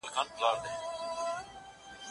چی هر څوک به په سزا هلته رسېږي